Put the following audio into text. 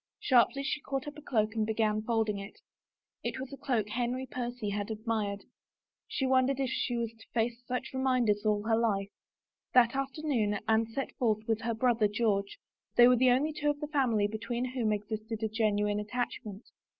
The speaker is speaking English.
Sharply she caught up a cloak and began folding it. It was a cloak Henry Percy had admired. She won dered if she was to face such reminders all her life. 28 A ROSE AND SOME WORDS That afternoon Anne set forth with her brother George. They were the only two of the family between whom existed a genuine attachment.